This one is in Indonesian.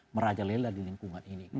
merajalela di lingkungan ini